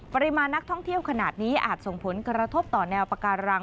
ปริมาณนักท่องเที่ยวขนาดนี้อาจส่งผลกระทบต่อแนวปาการัง